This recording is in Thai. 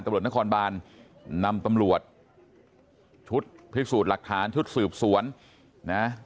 ตำรวจนครบานนำตำรวจชุดพิสูจน์หลักฐานชุดสืบสวนนะ